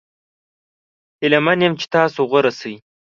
هیله من یم چې تاسو غوره شي.